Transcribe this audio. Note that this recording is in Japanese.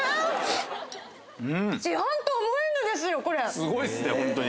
すごいっすねホントに。